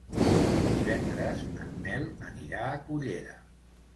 Divendres en Nel anirà a Cullera.